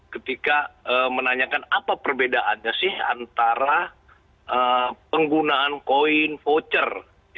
ketika menanyakan apa perbedaannya sih antara penggunaan koin voucher